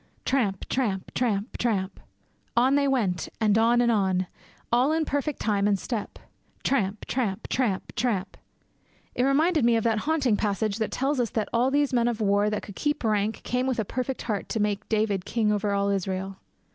Tramp! tramp! tramp! tramp! On they went, and on, and on; all in perfect time and step; tramp! tramp! tramp! tramp! It reminded me of that haunting passage that tells us that 'all these men of war that could keep rank came with a perfect heart to make David king over all Israel.'